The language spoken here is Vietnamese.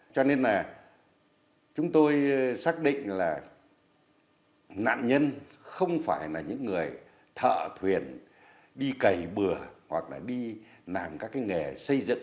cho nên là chúng tôi xác định là nạn nhân không phải là những người thợ thuyền đi cầy bừa hoặc là đi làm các cái nghề xây dựng